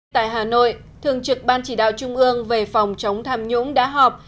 tại hà nội thường trực ban chỉ đạo trung ương về phòng chống tham nhũng đã họp